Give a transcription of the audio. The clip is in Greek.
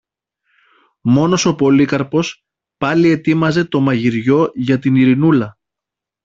Μόνος ο Πολύκαρπος πάλι ετοίμαζε το μαγειριό για την Ειρηνούλα.